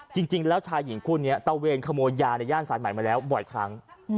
จริงแล้วชายหญิงคู่นี้ตะเวนขโมยยาในย่านสายใหม่มาแล้วบ่อยครั้ง